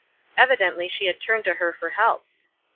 Evidently she had turned to her for help.